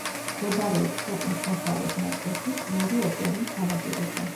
მდებარეობს ქვეყნის დასავლეთ ნაწილში, წყნარი ოკეანის სანაპიროზე.